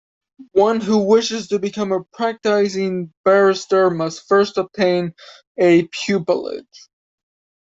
One who wishes to become a practising barrister must first obtain a "pupillage".